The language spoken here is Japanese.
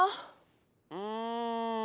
うん。